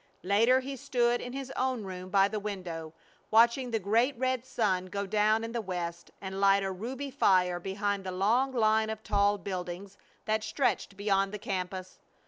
Later he stood in his own room by the window, watching the great red sun go down in the west and light a ruby fire behind the long line of tall buildings that stretched beyond the campus.